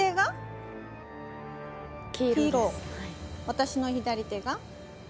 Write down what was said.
私の左手が。